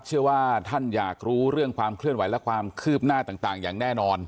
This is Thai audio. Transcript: เชื่อว่าท่านอยากรู้เรื่องความเคลื่อนไหวและความคืบหน้าต่างอย่างแน่นอน